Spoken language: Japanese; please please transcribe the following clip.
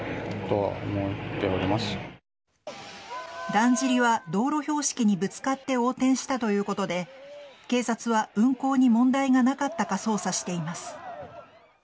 だんじりは道路標識にぶつかって横転したということで警察は、運行に問題がなかったか捜査しています。